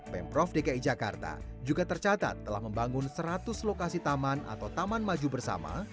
pemprov dki jakarta juga tercatat telah membangun seratus lokasi taman atau taman maju bersama